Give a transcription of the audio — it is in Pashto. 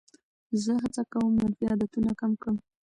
زه هڅه کوم منفي عادتونه کم کړم.